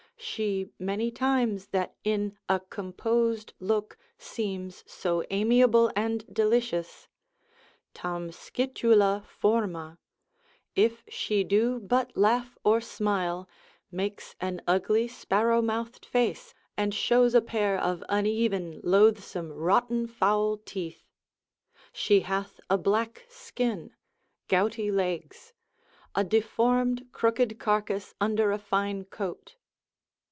She many times that in a composed look seems so amiable and delicious, tam scitula, forma, if she do but laugh or smile, makes an ugly sparrow mouthed face, and shows a pair of uneven, loathsome, rotten, foul teeth: she hath a black skin, gouty legs, a deformed crooked carcass under a fine coat.